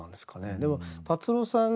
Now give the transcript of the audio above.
でも達郎さん